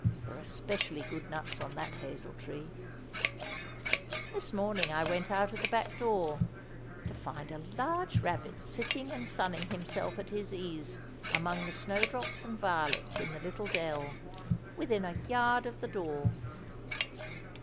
There are specially good nuts on that hazel tree. This morning I went out of the back door, to find a large rabbit sitting and sunning himself at his ease among the snowdrops and violets in the little dell—within a yard of the door.